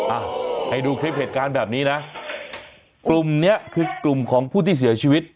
อ่ะให้ดูคลิปเหตุการณ์แบบนี้นะกลุ่มเนี้ยคือกลุ่มของผู้ที่เสียชีวิต